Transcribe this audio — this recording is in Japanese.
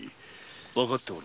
わかっておる。